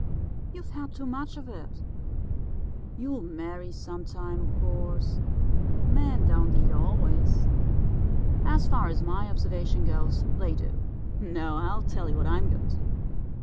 You've had too much of it. You'll marry some time, of course. Men don't eat always.' "'As far as my observation goes, they do. No, I'll tell you what I'm going to do.